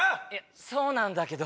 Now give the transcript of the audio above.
⁉そうなんだけど。